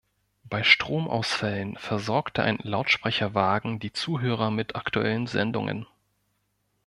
Bei Stromausfällen versorgte ein Lautsprecherwagen die Zuhörer mit aktuellen Sendungen.